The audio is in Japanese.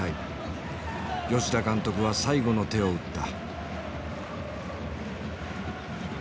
吉田監督は最後の手を打った。